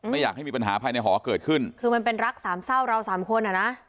ไม่อยากให้มีปัญหาภายในหอเกิดขึ้นคือมันเป็นรักสามเศร้าเราสามคนอ่ะนะ